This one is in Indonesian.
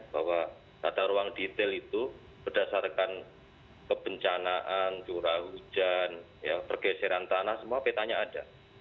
bahwa tata ruang detail itu berdasarkan kebencanaan curah hujan pergeseran tanah semua petanya ada